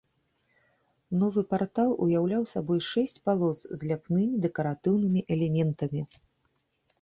Новы партал уяўляў сабою шэсць палос з ляпнымі дэкаратыўнымі элементамі.